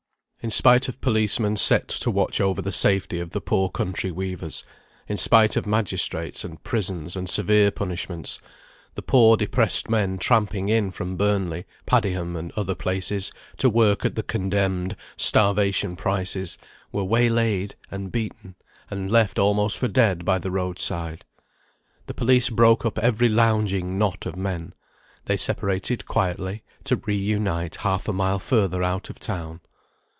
In spite of policemen set to watch over the safety of the poor country weavers, in spite of magistrates, and prisons, and severe punishments, the poor depressed men tramping in from Burnley, Padiham, and other places, to work at the condemned "Starvation Prices," were waylaid, and beaten, and left almost for dead by the road side. The police broke up every lounging knot of men: they separated quietly, to reunite half a mile further out of town.